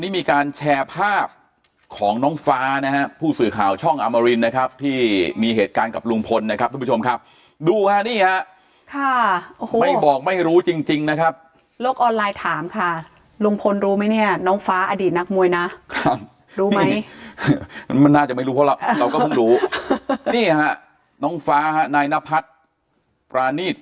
มีการแชร์ภาพของน้องฟ้านะฮะผู้สื่อข่าวช่องอมรินนะครับที่มีเหตุการณ์กับลุงพลนะครับทุกผู้ชมครับดูฮะนี่ฮะค่ะโอ้โหไม่บอกไม่รู้จริงจริงนะครับโลกออนไลน์ถามค่ะลุงพลรู้ไหมเนี่ยน้องฟ้าอดีตนักมวยนะครับรู้ไหมมันน่าจะไม่รู้เพราะเราเราก็เพิ่งรู้นี่ฮะน้องฟ้าฮะนายนพัฒน์ปรานีต